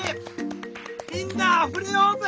みんなあふれようぜ！